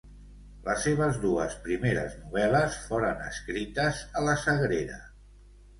Les seves dues primeres novel·les foren escrites a la Sagrera.